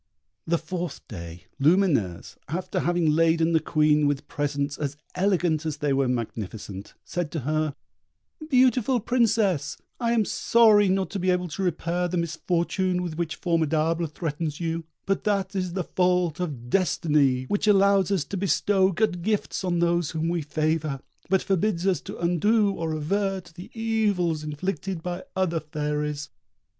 The fourth day Lumineuse, after having laden the Queen with presents as elegant as they were magnificent, said to her, "Beautiful Princess, I am sorry not to be able to repair the misfortune with which Formidable threatens you; but that is the fault of destiny, which allows us to bestow good gifts on those whom we favour, but forbids us to undo or avert the evils inflicted by other fairies.